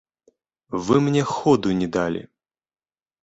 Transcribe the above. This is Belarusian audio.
Вы мне ходу не далі.